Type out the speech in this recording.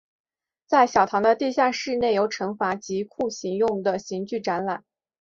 在小堂的地下室内有惩罚及酷刑用的刑具展览。